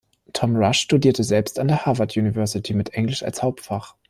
Tom Rush studierte selbst an der Harvard University mit Englisch als Hauptfach.